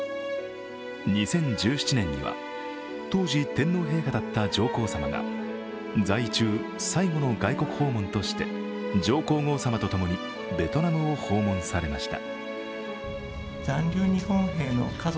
２０１７年には当時、天皇陛下だった上皇さまが在位中、最後の外国訪問として上皇后さまとともにベトナムを訪問されました。